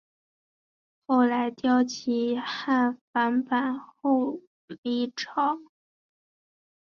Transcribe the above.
后来刁吉罕反叛后黎朝。